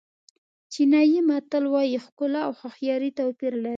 چینایي متل وایي ښکلا او هوښیاري توپیر لري.